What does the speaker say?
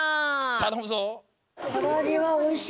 たのむぞ！